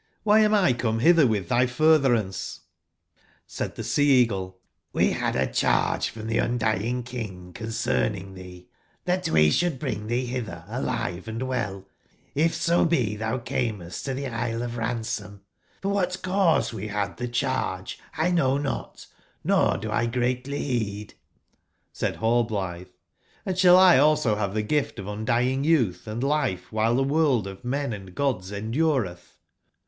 (Hby am 1 come bitber witb tby f urtberan ce ?'* Said tbe Sea/eagle :'* CHe bad a cbarge from tbe Gn dying King concerning tbee, tbat we sbould bring tbee bitber alive and well, if so be tbou camest to tbe Isle of Ransom, for wbat cause we bad tbe cbarge,! know not, nor do X greatly beed'' J9 Said Hallblitbe: *'Hnd sball 1 also bave tbat gift of undying youtb, and lif ewbile tbe world of men and gods enduretb